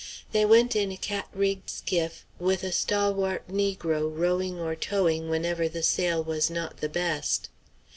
They went in a cat rigged skiff, with a stalwart negro rowing or towing whenever the sail was not the best.